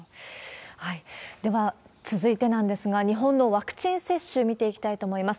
では、続いてなんですが、日本のワクチン接種、見ていきたいと思います。